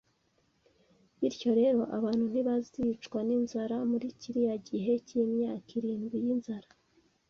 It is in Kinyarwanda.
Bityo rero abantu ntibazicwa n’inzara muri kiriya gihe cy’imyaka irindwi y’inzara